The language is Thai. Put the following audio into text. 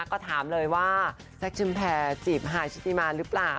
ก็ถามเลยว่าแซคชึมแพร่จีบหายชิคกี้พายรึเปล่า